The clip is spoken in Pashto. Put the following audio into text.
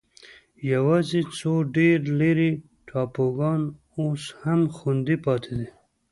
یوازې څو ډېر لرې ټاپوګان اوس هم خوندي پاتې دي.